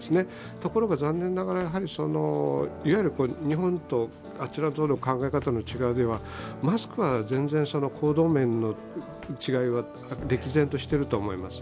ところが残念ながら、いわゆる日本とあちらとの考え方の違いは、マスクは全然、行動面の違いは歴然としてると思います。